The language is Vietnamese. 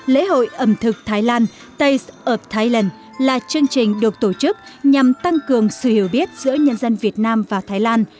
lễ hội ẩm thực thái lan taste of thailand là chương trình được tổ chức nhằm tăng cường sự hiểu biết giữa nhân dân việt nam và thái lan